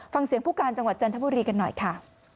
ฟังเสียงผู้การจังหวัดจันทบุรีกันหน่อยค่ะ